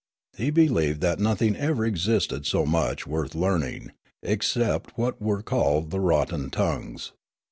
He beheved that nothing ever existed so much worth learning — except what were called the rotten tongues.